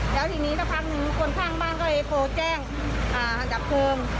ตอนนี้ของล่วงลงมาแล้วสักพักนึง